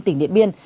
tỉnh điện biên